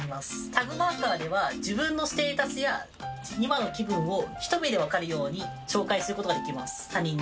タグマーカーでは自分のステータスや今の気分をひと目でわかるように紹介する事ができます他人に。